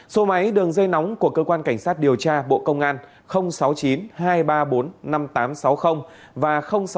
số máy đường dây nóng của cơ quan cảnh sát điều tra bộ công an sáu mươi chín hai trăm ba mươi bốn năm nghìn tám trăm sáu mươi và sáu mươi chín hai trăm ba mươi một một nghìn sáu trăm